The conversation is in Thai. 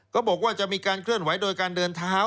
ก็บอกว่าจะมีการเคลื่อนไหวโดยการเดินเท้า